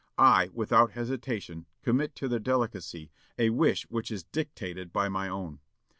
I, without hesitation, commit to their delicacy a wish which is dictated by my own.